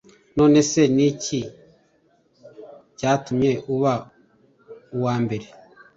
None se ni iki cyatumye uba uwambere